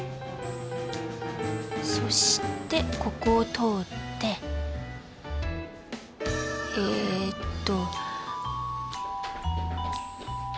そしてここを通ってえっと。